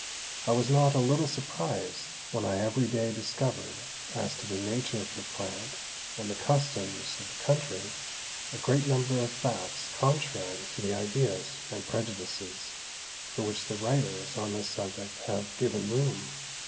I was not a little surprized when I every day discover'd, as to the Nature of the Plant, and the Customs of the Country, a great Number of Facts contrary to the Ideas, and Prejudices, for which the Writers on this Subject have given room.